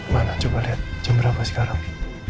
mana coba lihat jam berapa sekarang